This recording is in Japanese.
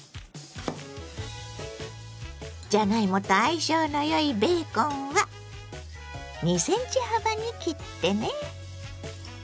じゃがいもと相性のよいベーコンは２ｃｍ幅に切ってね。